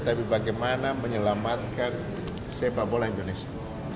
tapi bagaimana menyelamatkan sepak bola indonesia